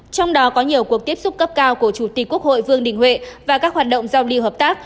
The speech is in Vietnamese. trong đó có nhiều cuộc tiếp xúc cấp cao của chủ tịch quốc hội vương đình huệ và các hoạt động giao lưu hợp tác